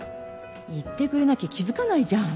言ってくれなきゃ気づかないじゃん。